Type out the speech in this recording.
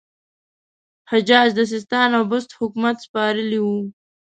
حجاج د سیستان او بست حکومت سپارلی وو.